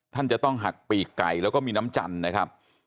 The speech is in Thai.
ท่านจะต้องหักปีกไก่แล้วก็มีน้ำจันทร์นะครับ